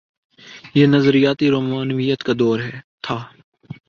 یہ نظریاتی رومانویت کا دور تھا۔